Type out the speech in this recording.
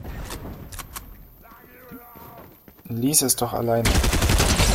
Lies es doch alleine!